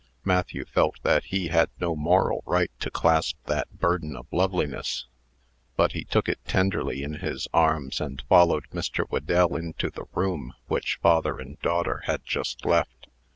Matthew felt that he had no moral right to clasp that burden of loveliness; but he took it tenderly in his arms, and followed Mr. Whedell into the room which father and daughter had just left.